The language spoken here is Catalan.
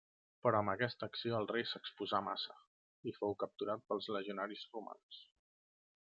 Però amb aquesta acció el rei s'exposà massa i fou capturat pels legionaris romans.